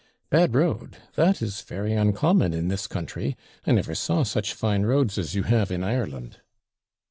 'Bad road! that is very uncommon in this country. I never saw such fine roads as you have in Ireland.'